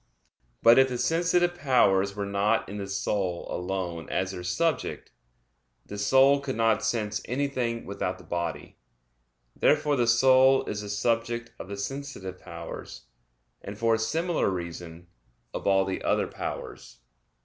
But if the sensitive powers were not in the soul alone as their subject, the soul could not sense anything without the body. Therefore the soul is the subject of the sensitive powers; and for a similar reason, of all the other powers.